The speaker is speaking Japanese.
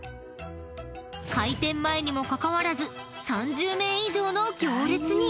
［開店前にもかかわらず３０名以上の行列に］